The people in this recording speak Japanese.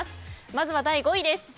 まずは第５位です。